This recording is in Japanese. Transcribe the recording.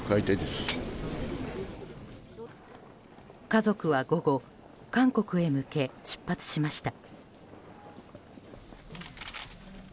家族は午後韓国へ向け出発しました。